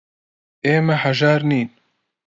ئێمە هەژار نین.